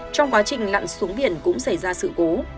trong quá trình lặn xuống biển cũng xảy ra sự cố